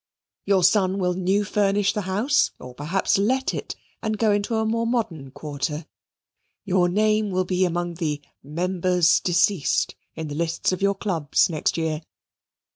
Your son will new furnish the house, or perhaps let it, and go into a more modern quarter; your name will be among the "Members Deceased" in the lists of your clubs next year.